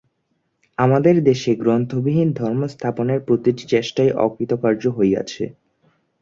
আপনাদের দেশে গ্রন্থবিহীন ধর্ম-স্থাপনের প্রতিটি চেষ্টাই অকৃতকার্য হইয়াছে।